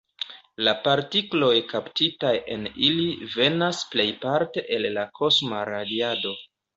La partikloj kaptitaj en ili venas plejparte el la kosma radiado.